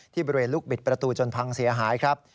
บริเวณลูกบิดประตูจนพังเสียหายครับ